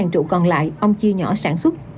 ba trụ còn lại ông chia nhỏ sản xuất